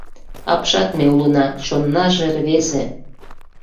Апшат ме улына - чоннаже рвезе